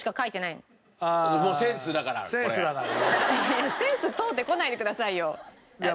いやいやセンス問うてこないでくださいよ。